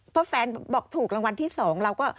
เพราะแฟนบอกถูกรางวัลที่๒เราก็